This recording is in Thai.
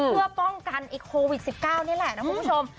เพื่อป้องกันโควิด๑๙นี่แหละนะคุณผู้ชม